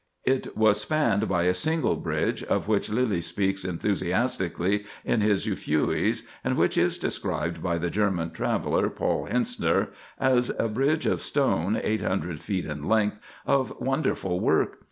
It was spanned by a single bridge, of which Lyly speaks enthusiastically in his "Euphues," and which is described by the German traveller, Paul Hentzner, as "a bridge of stone, eight hundred feet in length, of wonderful work.